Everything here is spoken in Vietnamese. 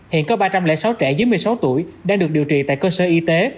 hiện có ba trăm linh sáu trẻ dưới một mươi sáu tuổi đang được điều trị tại cơ sở y tế